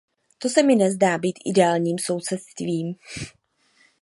To se mi nezdá být ideálním sousedstvím.